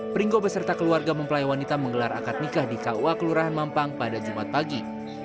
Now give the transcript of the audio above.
pringgo beserta keluarga mempelai wanita menggelar akad nikah di kua kelurahan mampang pada jumat pagi